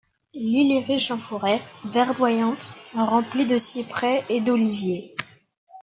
L'île est riche en forêts verdoyantes, remplis de cyprès et d'oliviers.